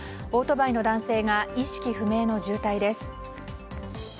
オートバイの男性が意識不明の重体です。